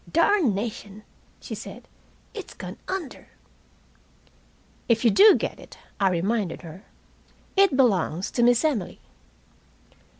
"Darnation!" she said, "it's gone under!" "If you do get it," I reminded her, "it belongs to Miss Emily."